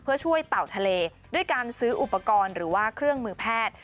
เพื่อช่วยเต่าทะเลด้วยการซื้ออุปกรณ์หรือว่าเครื่องมือแพทย์